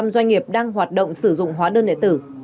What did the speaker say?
một trăm linh doanh nghiệp đang hoạt động sử dụng hóa đơn điện tử